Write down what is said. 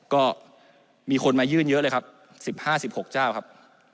ก็มีคนมายื่นเยอะเลยครับ๑๕๑๖เจ้าครับ